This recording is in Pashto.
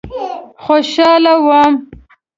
خوشاله وم.